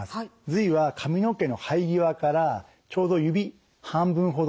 頭維は髪の毛の生え際からちょうど指半分ほどですね